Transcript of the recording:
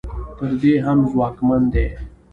تر دې هم ځواکمن دي.